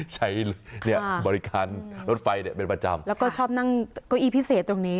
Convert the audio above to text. ใช้เนี่ยบริการรถไฟเนี่ยเป็นประจำแล้วก็ชอบนั่งเก้าอี้พิเศษตรงนี้